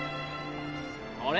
あれ？